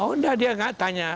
oh udah dia gak tanya